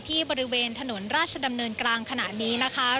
บริเวณถนนราชดำเนินกลางขณะนี้นะคะ